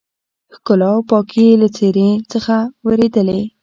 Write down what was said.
ښکلا او پاکي يې له څېرې څخه ورېدلې.